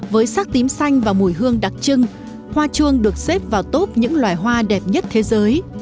với sắc tím xanh và mùi hương đặc trưng hoa chuông được xếp vào tốp những loài hoa đẹp nhất thế giới